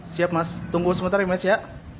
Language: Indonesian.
siap mas tunggu sebentar ya